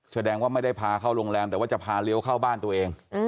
แสดงว่าไม่ได้พาเข้าโรงแรมแต่ว่าจะพาเลี้ยวเข้าบ้านตัวเอง